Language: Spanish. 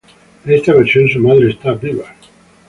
En esta versión, su madre está viva.